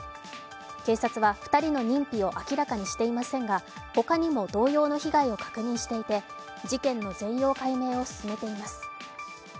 警察は２人の認否を明らかにしていませんが他にも同様の被害を確認していて事件の全容解明を進めています。